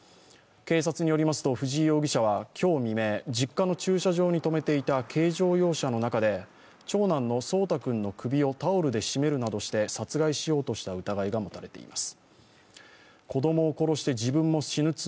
警察によりますと、藤井容疑者は今日未明、実家の駐車場に止めていた軽乗用車の中で長男の蒼天君の首をタオルでしめるなどして殺害しようとした疑いが持たれています。